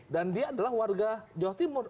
dan dia adalah warga jawa timur